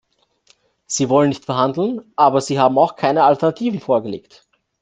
Sie wollten nicht verhandeln, aber Sie haben auch keine Alternativen vorgelegt.